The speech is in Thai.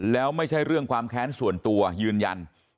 แล้วไม่ใช่เรื่องความแค้นส่วนตัวยืนยัน